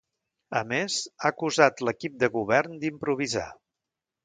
A més, ha acusat l’equip de govern d’improvisar.